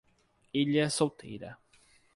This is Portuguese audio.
Ilha Solteira